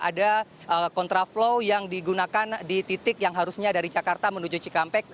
ada kontraflow yang digunakan di titik yang harusnya dari jakarta menuju cikampek